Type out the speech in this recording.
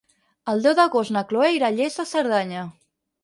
El deu d'agost na Chloé irà a Lles de Cerdanya.